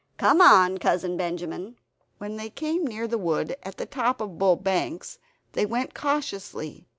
Come on, Cousin Benjamin!" When they came near the wood at the top of Bull Banks, they went cautiously.